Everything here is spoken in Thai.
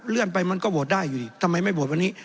ไปมันก็โหวตได้อยู่ดิทำไมไม่โหวตวันนี้